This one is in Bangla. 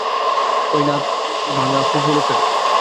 ঐ নাক ভাঙা গুঁফো লোকটা কে?